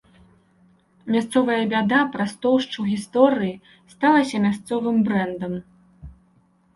Мясцовая бяда праз тоўшчу гісторыі сталася мясцовым брэндам.